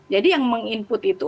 jadi yang meng input itu